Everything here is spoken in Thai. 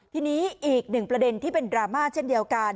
ทีนี้อีกหนึ่งประเด็นที่เป็นดราม่าเช่นเดียวกัน